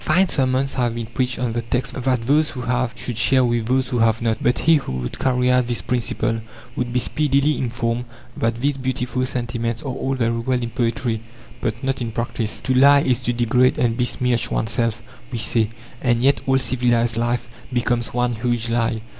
Fine sermons have been preached on the text that those who have should share with those who have not, but he who would carry out this principle would be speedily informed that these beautiful sentiments are all very well in poetry, but not in practice. "To lie is to degrade and besmirch oneself," we say, and yet all civilized life becomes one huge lie.